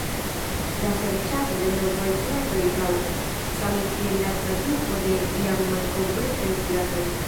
La serĉado de novaj platoj daŭras, same kiel la traduko de jam malkovritaj platoj.